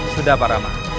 sudah pak ramah